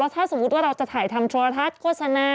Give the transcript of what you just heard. ถ้าสมมุติว่าเราจะถ่ายทำโทรทัศน์โฆษณา